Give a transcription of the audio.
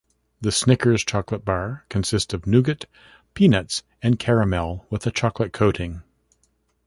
The Snickers chocolate bar consists of nougat, peanuts, and caramel with a chocolate coating.